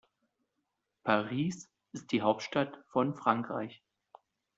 Paris ist die Hauptstadt von Frankreich.